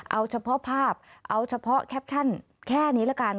เอาเฉพาะภาพเอาเฉพาะแคปชั่นแค่นี้ละกัน